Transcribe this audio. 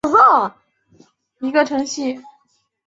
一个程序不必用同一种格式的源代码书写。